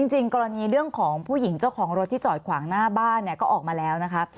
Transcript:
จริงกรณีเรื่องของผู้หญิงเจ้าของรถที่จอดขวางหน้าบ้านเนี่ยก็ออกมาแล้วนะคะ